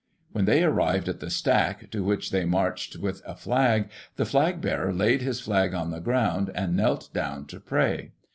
When they arrived at the stack, to which they marched with a flag, the flag bearer laid his flag on the ground, and knelt down to pray.